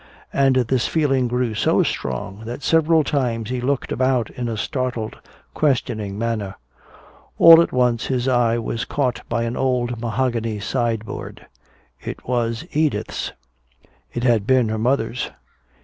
And this feeling grew so strong that several times he looked about in a startled, questioning manner. All at once his eye was caught by an old mahogany sideboard. It was Edith's. It had been her mother's.